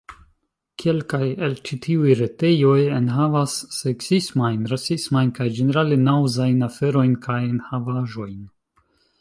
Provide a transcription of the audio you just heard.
Kelkaj el ĉi tiuj retejoj enhavas... seksismajn, rasismajn... kaj ĝenerale naŭzajn aferojn kaj enhavaĵojn.